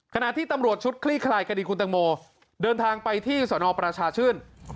ขณะที่ตำรวจชุดคลี่คลายคดีคุณตังโมเดินทางไปที่สนประชาชื่น